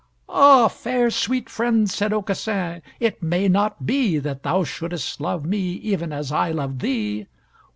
"Ah, fair, sweet friend," said Aucassin, "it may not be that thou shouldest love me even as I love thee.